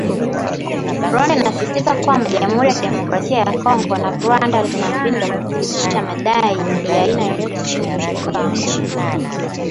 Rwanda inasisitiza kwamba Jamhuri ya Kidemokrasia ya Kongo na Rwanda zina mbinu za kuthibitisha madai ya aina yoyote chini ya ushirika wa nchi